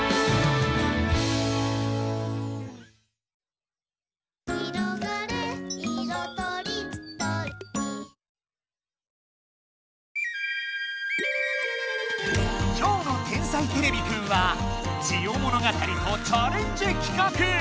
ということで今日の「天才てれびくん」は「ジオ物語」とチャレンジ企画！